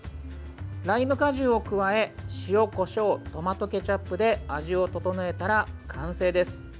ライム果汁を加え塩、こしょうトマトケチャップで味を調えたら完成です。